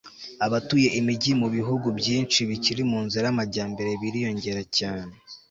abatuye imijyi mubihugu byinshi bikiri mu nzira y'amajyambere biriyongera cyane